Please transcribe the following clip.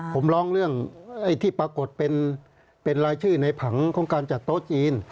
ผมร้องเรื่องที่ปรากฏเป็นรายชื่อในผังของการจัดโต๊ะจีน